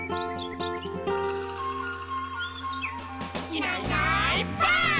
「いないいないばあっ！」